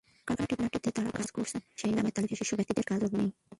কারখানাটিতে কারা কাজ করছেন, সেই নামের তালিকা শীর্ষ ব্যক্তিদের কাছেও নেই।